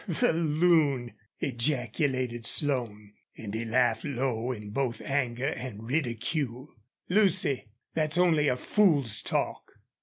"The loon!" ejaculated Slone, and he laughed low in both anger and ridicule. "Lucy, that's only a fool's talk."